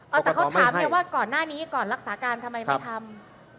แต่เขาถามไงว่าก่อนหน้านี้ก่อนรักษาการทำไมไม่ทำ